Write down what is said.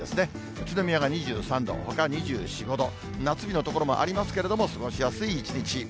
宇都宮が２３度、ほか２４、５度、夏日の所もありますけれども、過ごしやすい一日。